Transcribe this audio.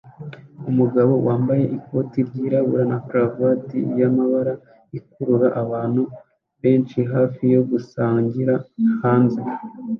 Umugabo wambaye ikoti ryirabura na karuvati y'amabara akurura abantu benshi hafi yo gusangira hanze